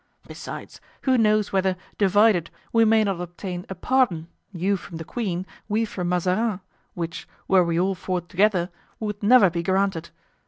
Besides, who knows whether, divided, we may not obtain a pardon—you from the queen, we from Mazarin—which, were we all four together, would never be granted.